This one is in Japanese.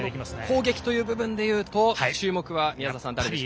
攻撃という部分で言うと注目は誰でしょうか？